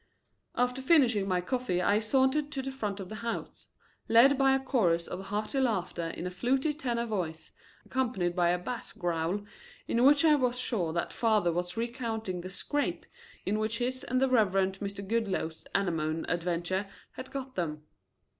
After finishing my coffee I sauntered to the front of the house, led by a chorus of hearty laughter in a fluty tenor voice, accompanied by a bass growl, in which I was sure that father was recounting the scrape in which his and the Reverend Mr. Goodloe's anemone adventure had got them.